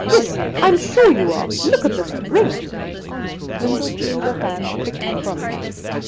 Yes; I am sure you are. Look at this ring!" Lyndall drew the hand quickly from her.